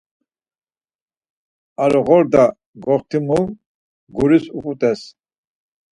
Aroğorda goxtimu guris uğut̆es.